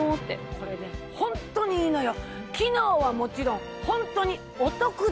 これねホントにいいのよ。